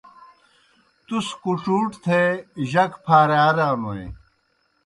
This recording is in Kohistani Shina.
تُس کُڇُوٹ تھے جک پھارِیارانوئے۔